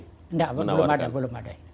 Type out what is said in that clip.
nggak belum ada